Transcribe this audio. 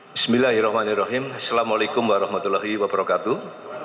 bismillahirrahmanirrahim assalamualaikum warahmatullahi wabarakatuh